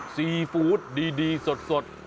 ซีฟู้ดดีสด